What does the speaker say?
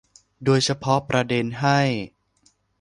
โดยเฉพาะประเด็นให้